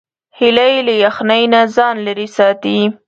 هیلۍ له یخنۍ نه ځان لیرې ساتي